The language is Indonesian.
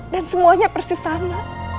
dan semuanya persis sama